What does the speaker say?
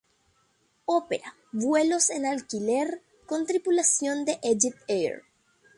Opera vuelos en alquiler con tripulación de EgyptAir.